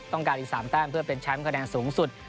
การอีก๓แต้มเพื่อเป็นแชมป์คะแนนสูงสุด